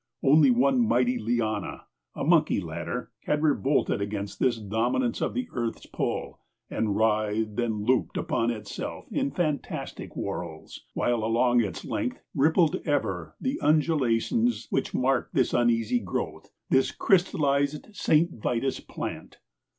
Only one mighty liana a monkey ladder had revolted against this dominance of the earth's pull and writhed and looped upon itself in fantastic whorls, while along its length rippled ever the undulations which mark this uneasy growth, this crystallized Saint Vitus plant.